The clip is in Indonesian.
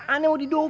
ane mau didomong